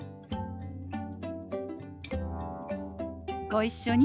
ご一緒に。